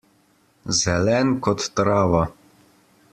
Zelen kot trava.